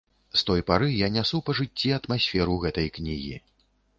З той пары я нясу па жыцці атмасферу гэтай кнігі.